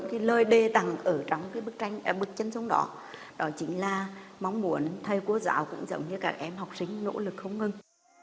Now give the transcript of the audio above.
thì lời đề tặng ở trong bức chân dung đó đó chính là mong muốn thầy của giáo cũng giống như các em học sinh nỗ lực không ngừng